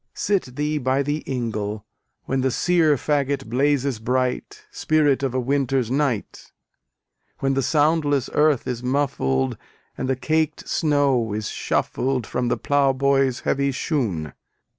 Sit thee by the ingle, when The sear faggot blazes bright, Spirit of a winter's night; When the soundless earth is muffled, And the caked snow is shuffled From the ploughboy's heavy shoon....